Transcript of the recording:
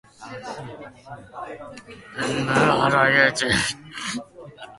Estaba el Elefante